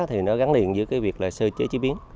thì nó gắn liền với cái việc là sơ chế chế biến